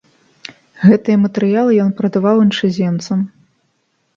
Гэтыя матэрыялы ён прадаваў іншаземцам.